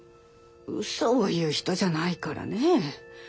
うそを言う人じゃないからね。